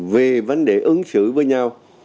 về vấn đề ứng xử với nhau